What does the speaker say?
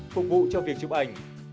phục vụ cho việc chụp ảnh